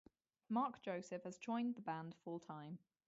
Mark Joseph has joined the band full-time.